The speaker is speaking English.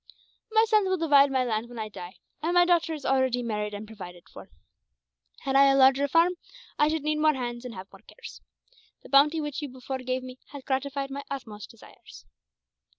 My sons will divide my land when I die, and my daughter is already married and provided for. Had I a larger farm, I should need more hands and have more cares. The bounty which you before gave me has gratified my utmost desires."